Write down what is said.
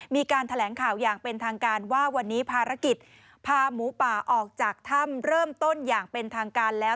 มีการแถลงข่าวอย่างเป็นทางการว่าวันนี้ภารกิจพาหมูป่าออกจากถ้ำเริ่มต้นอย่างเป็นทางการแล้ว